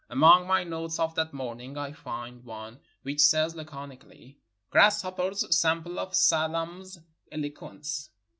Among my notes of that morning I find one which says laconically: "Grasshoppers, sample of Se lam's eloquence."